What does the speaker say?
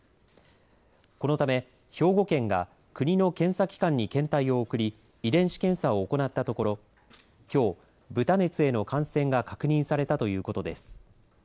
このため、兵庫県が国の検査機関に検体を送り遺伝子検査を行ったところきょう豚熱への感染が確認されたということです。